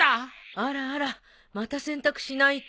あらあらまた洗濯しないと。